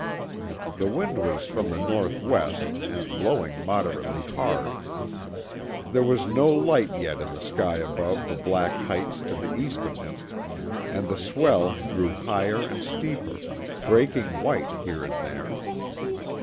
The wind was from the north west and blowing moderately hard; there was no light yet in the sky above the black heights to the east of him, and the swell grew higher and steeper, breaking white here and there.